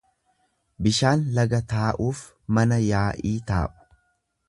Bishaan laga taa'uuf manaa yaa'ii taa'u.